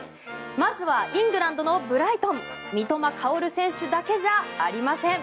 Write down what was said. まずはイングランドのブライトン三笘薫選手だけじゃありません。